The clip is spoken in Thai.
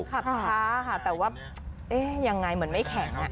ขับช้าค่ะแต่ว่าเอ๊ะยังไงเหมือนไม่แข็ง